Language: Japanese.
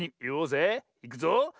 いくぞ。